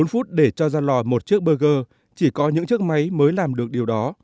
bốn phút để cho ra lò một chiếc burger chỉ có những chiếc máy mới làm được điều đó